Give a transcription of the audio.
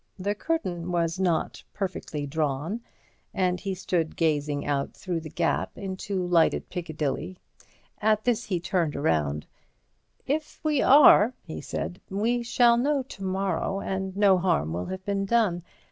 The curtain was not perfectly drawn, and he stood gazing out through the gap into lighted Piccadilly. At this he turned round: "If we are," he said, "we shall know to morrow, and no harm will have been done.